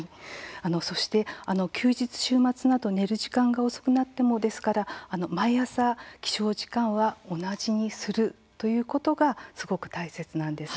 そして休日週末など寝る時間が遅くなってもですから毎朝起床時間は同じにするということがすごく大切なんです。